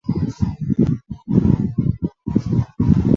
通因在拉玛二世在位末期被任命为那空叻差是玛的总督。